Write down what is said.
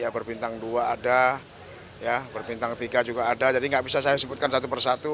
berpintang dua ada berpintang tiga juga ada jadi nggak bisa saya sebutkan satu persatu